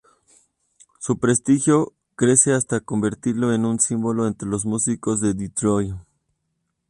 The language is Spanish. Su prestigio crece hasta convertirlo en un símbolo entre los músicos de Detroit.